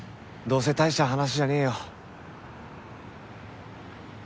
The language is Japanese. どうせ大した話じゃねえよ。